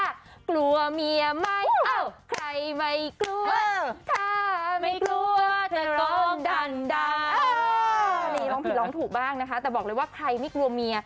นี่ร้องผิดร้องถูกบ้างนะคะแต่บอกเลยว่าใครไม่กลัวเมีย